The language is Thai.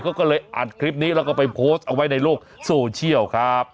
เขาก็เลยอัดคลิปนี้แล้วก็ไปโพสต์เอาไว้ในโลกโซเชียลครับ